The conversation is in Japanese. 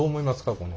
この。